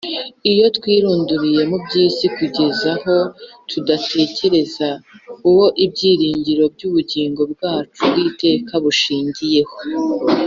,. Iyo twirunduriye mu by’isi kugeza aho tutagitekereza Uwo ibyiringiro by’ubugingo bwacu bw’iteka bushingiyeho,